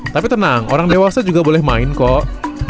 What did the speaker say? tapi tenang orang dewasa juga boleh main kok